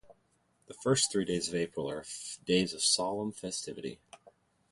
The first three days of April are days of solemn festivity.